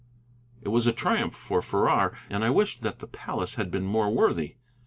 It was a triumph for Farrar, and I wished that the palace had been more worthy.